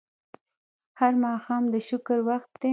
هر ماښام د شکر وخت دی